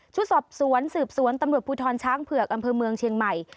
สอบสวนสืบสวนตำรวจภูทรช้างเผือกอำเภอเมืองเชียงใหม่